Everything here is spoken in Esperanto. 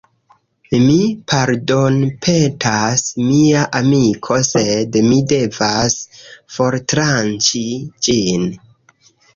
Mi pardonpetas, mia amiko sed ni devas fortranĉi ĝin